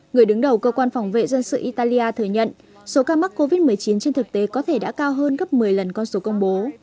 người đứng đầu cơ quan phòng vệ dân sự italia thừa nhận số ca mắc covid một mươi chín trên thực tế có thể đã cao hơn gấp một mươi lần con số công bố